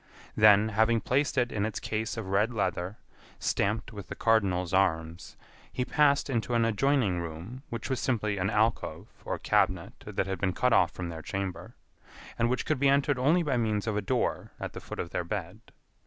Then, having placed it in its case of red leather, stamped with the Cardinal's arms, he passed into an adjoining room which was simply an alcove or cabinet that had been cut off from their chamber, and which could be entered only by means of a door at the foot of their bed.